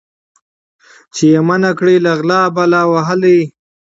چي یې منع کړي له غلا بلا وهلی